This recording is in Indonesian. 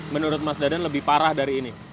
menurut mas dadan lebih parah dari ini